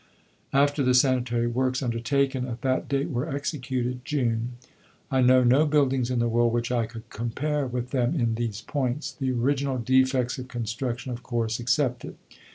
After the sanitary works undertaken at that date were executed (June), I know no buildings in the world which I could compare with them in these points, the original defects of construction of course excepted."